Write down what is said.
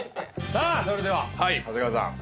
さあそれでは長谷川さん。